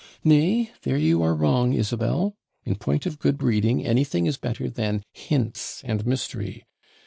'Nay, there you are wrong, Isabel; in point of good breeding, anything is better than hints and mystery.